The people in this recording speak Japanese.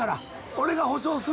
俺が保証する」。